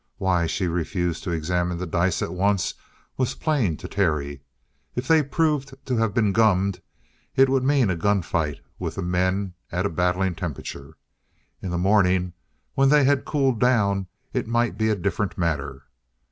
Why she refused to examine the dice at once was plain to Terry. If they proved to have been gummed, it would mean a gun fight with the men at a battling temperature. In the morning when they had cooled down, it might be a different matter.